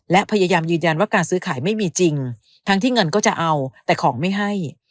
และพยายามยืนยันว่าการซื้อขายไม่มีจริงทั้งที่เงินก็จะเอาแต่ของไม่ให้